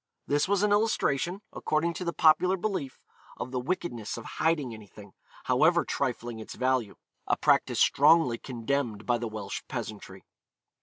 This was an illustration, according to the popular belief, of the wickedness of hiding anything, however trifling its value a practice strongly condemned by the Welsh peasantry.